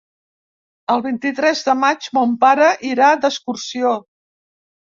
El vint-i-tres de maig mon pare irà d'excursió.